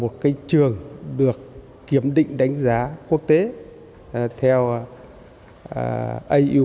là phải là một trường được kiểm định đánh giá quốc tế theo aunqs